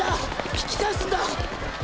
引き返すんだ！